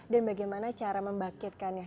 dan bagaimana cara membangkitkannya